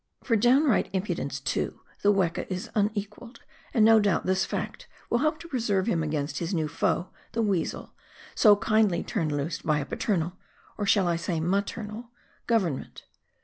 For downright impudence, too, the weka is unequalled, and no doubt this fact will help to preserve him against his new foe, the weasel, so kindly turned loose by a paternal — or shall I say "maternal" — government.